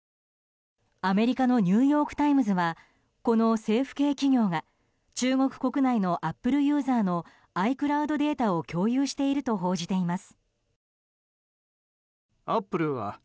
アメリカのニューヨーク・タイムズはこの政府系企業が、中国国内のアップルユーザーのｉＣｌｏｕｄデータを共有していると報じています。